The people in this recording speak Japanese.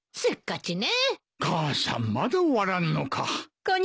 母さんまだ終わらんのか。